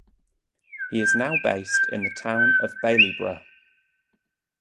He is now based in the town of Bailieborough.